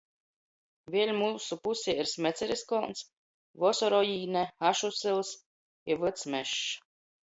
Vēļ myusu pusē ir Smeceris kolns, Vosorojīne, Ašu syls i Vyds mežs.